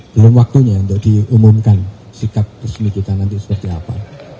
belum waktunya untuk diumumkan sikap resmi kita nanti seperti apa